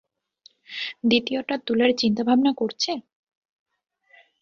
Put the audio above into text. দ্বিতীয়টা তুলার চিন্তা ভাবনা করছে?